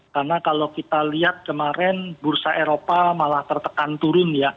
karena kalau kita lihat kemarin bursa eropa malah tertekan turun ya